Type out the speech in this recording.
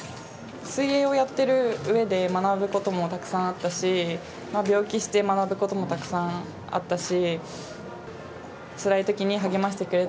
水泳をやっているうえで学ぶこともたくさんあったし病気して学ぶこともたくさんあったし。